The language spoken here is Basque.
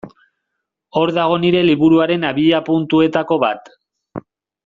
Hor dago nire liburuaren abiapuntuetako bat.